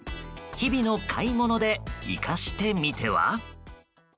日々の買い物で生かしてみては？